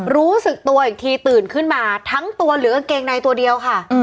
รู้สึกตัวอีกทีตื่นขึ้นมาทั้งตัวเหลือกางเกงในตัวเดียวค่ะ